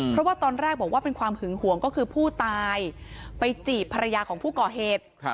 เพราะว่าตอนแรกบอกว่าเป็นความหึงห่วงก็คือผู้ตายไปจีบภรรยาของผู้ก่อเหตุ